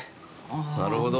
なるほど。